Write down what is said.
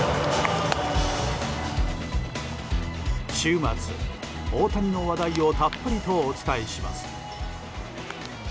週末、大谷の話題をたっぷりとお伝えします。